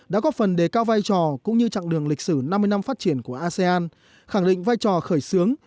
đã góp phần đề cao vai trò cũng như chặng đường lịch sử năm mươi năm phát triển của asean khẳng định vai trò khởi xướng